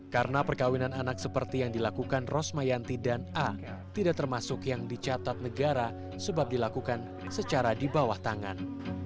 karena perkawinan anak seperti yang dilakukan rosmayanti dan a tidak termasuk yang dicatat negara sebab dilakukan secara di bawah tangan